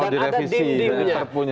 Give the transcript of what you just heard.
dan ada dindingnya